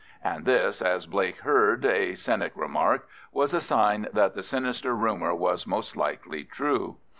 And this, as Blake heard a cynic remark, was a sign that the sinister rumour was most likely true.